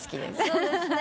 そうですね。